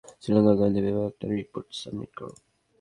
শ্রীলঙ্কার গোয়েন্দা বিভাগে একটা রিপোর্ট সাবমিট করো।